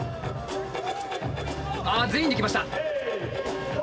あ全員で来ました。